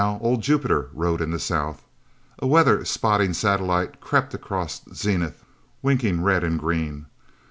Old Jupiter rode in the south. A weather spotting satellite crept across zenith, winking red and green.